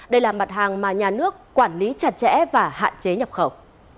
đây là mặt hàng mà nhà nước quản lý chặt chẽ và hạn chế nhập khẩu